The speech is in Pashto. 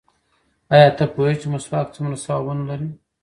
ایا ته پوهېږې چې مسواک څومره ثوابونه لري؟